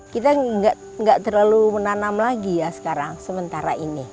kita nggak terlalu menanam lagi ya sekarang sementara ini